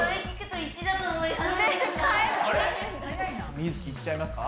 みづきいっちゃいますか？